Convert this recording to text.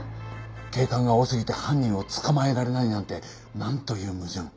警官が多すぎて犯人を捕まえられないなんてなんという矛盾！